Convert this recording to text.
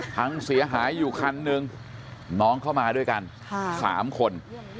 พังเสียหายอยู่คันหนึ่งน้องเข้ามาด้วยกัน๓คน